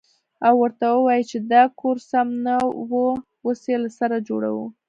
او ورته ووايې چې دا کور سم نه و اوس يې له سره جوړوه.